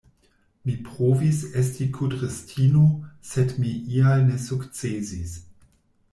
Mi provis esti kudristino, sed mi ial ne sukcesis!